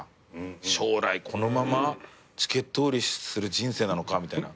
将来このままチケット売りする人生なのかみたいな。